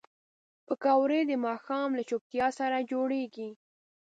پکورې د ماښام له چوپتیا سره جوړېږي